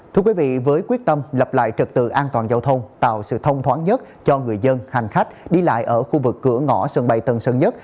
thưa quý vị với quyết tâm lập lại trật tự an toàn giao thông tạo sự thông thoáng nhất cho người dân hành khách đi lại ở khu vực cửa ngõ sân bay tân sơn nhất